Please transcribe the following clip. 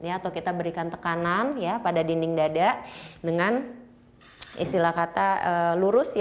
atau kita berikan tekanan pada dinding dada dengan istilah kata lurus